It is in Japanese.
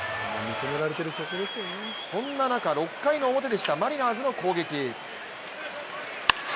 そんな中、６回の表でしたマリナーズの攻撃。